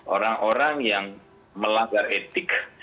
orang orang yang melanggar etik